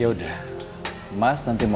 maka dia harus belajar di sana